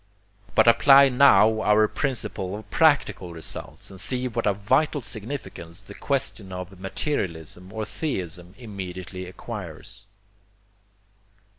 But apply now our principle of practical results, and see what a vital significance the question of materialism or theism immediately acquires.